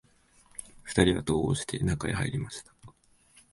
二人は戸を押して、中へ入りました